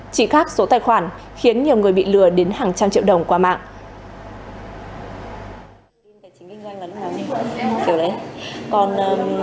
chỉ khác số tài khoản khiến nhiều người bị lừa đến hàng trăm triệu đồng qua mạng